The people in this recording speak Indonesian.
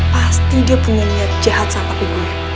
pasti dia punya niat jahat sama ibunya